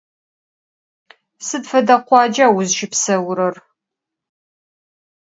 Sıd fede khuaca vuzşıpseurer?